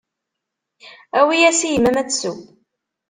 Awi-yas i yemma-m ad tsew.